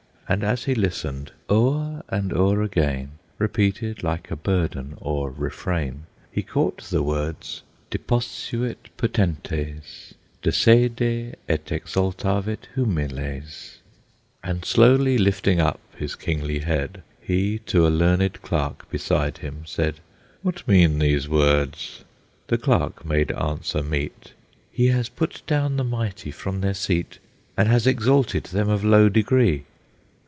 And as he listened, o'er and o'er again Repeated, like a burden or refrain, He caught the words, "Deposuit potentes De sede, et exaltavit humiles"; And slowly lifting up his kingly head He to a learned clerk beside him said, "What mean these words?" The clerk made answer meet, "He has put down the mighty from their seat, And has exalted them of low degree."